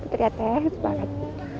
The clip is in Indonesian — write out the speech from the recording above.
teriak teh banget